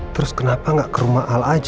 terus kenapa nggak ke rumah al aja